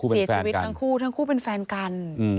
เสียชีวิตทั้งคู่ทั้งคู่เป็นแฟนกัน